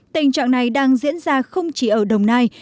tình trạng này đang diễn ra không chỉ ở đồng nai